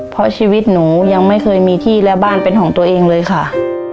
เพราะชีวิตหนูยังไม่เคยมีที่และบ้านเป็นของตัวเองเลยค่ะ